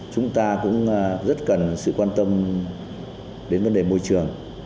chúng ta cũng rất cần sự quan tâm đến vấn đề môi trường